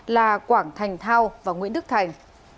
là quảng thành thao và nguyễn đức thành